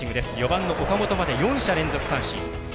４番の岡本まで４者連続三振。